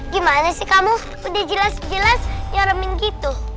gimana sih kamu udah jelas jelas nyeremin gitu